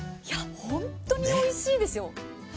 いや、本当においしいですよ